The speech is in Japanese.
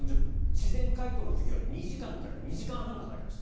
自然解凍の時は２時間から２時間半かかりました。